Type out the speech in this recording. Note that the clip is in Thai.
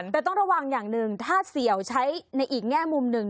แต่ต้องระวังอย่างหนึ่งถ้าเสี่ยวใช้ในอีกแง่มุมหนึ่ง